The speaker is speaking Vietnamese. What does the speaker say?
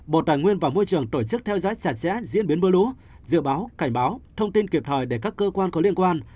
bộ tài nguyên và môi trường tổ chức theo dõi chặt chẽ diễn biến mưa lũ dự báo cảnh báo thông tin kịp thời để các cơ quan có liên quan